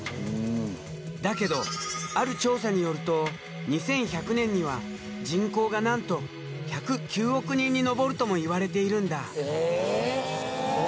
だけどある調査によると２１００年には人口がなんと１０９億人に上るともいわれているんだ。